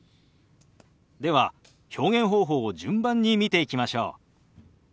では表現方法を順番に見ていきましょう。